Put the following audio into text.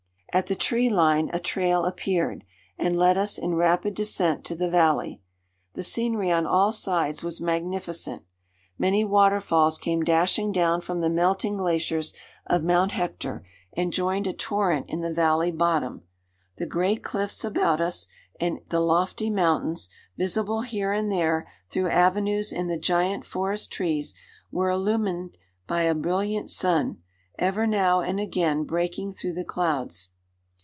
At the tree line a trail appeared, and led us in rapid descent to the valley. The scenery on all sides was magnificent. Many waterfalls came dashing down from the melting glaciers of Mount Hector and joined a torrent in the valley bottom. The great cliffs about us, and the lofty mountains, visible here and there through avenues in the giant forest trees, were illumined by a brilliant sun, ever now and again breaking through the clouds.